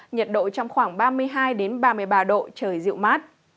nhiệt độ trong khoảng ba mươi hai ba mươi ba độ trời dịu mát